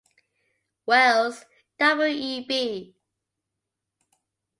Wells, W. E. B.